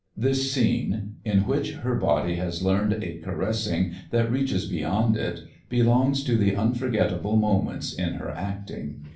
This scene, in which her body has learned a caressing that reaches beyond it, belongs to the unforgettable moments in her acting.